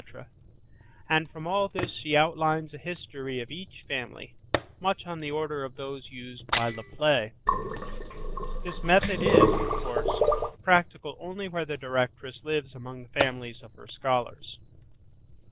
and from all this she outlines a history of each family, much on the order of those used by Le Play. This method is, of course, practical only where the directress lives among the families of her scholars.